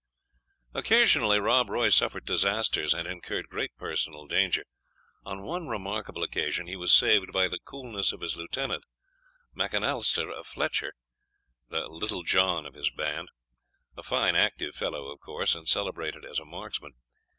Occasionally Rob Roy suffered disasters, and incurred great personal danger. On one remarkable occasion he was saved by the coolness of his lieutenant, Macanaleister or Fletcher, the Little John of his band a fine active fellow, of course, and celebrated as a marksman.